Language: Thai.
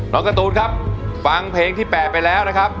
การ์ตูนครับฟังเพลงที่๘ไปแล้วนะครับ